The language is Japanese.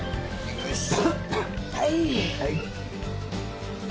よいしょ。